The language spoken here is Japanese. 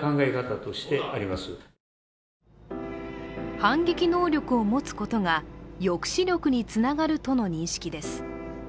反撃能力を持つことが抑止力につながるとの認識です。